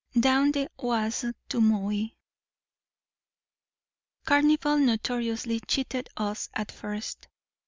DOWN THE OISE: TO MOY CARNIVAL notoriously cheated us at first.